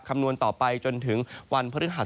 คำนวณต่อไปจนถึงวันพฤหัสบดีนะครับ